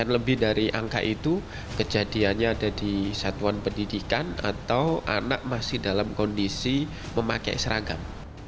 lebih dari angka itu kejadiannya ada di satuan pendidikan atau anak masih dalam kondisi memakai seragam